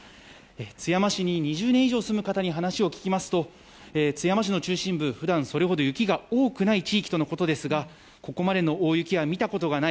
津山市に２０年以上住む方に話を聞きますと津山市の中心部は普段、雪はそれほど多くない地域ということですがここまでの大雪は見たことがない。